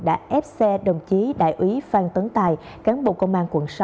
đã ép xe đồng chí đại úy phan tấn tài cán bộ công an quận sáu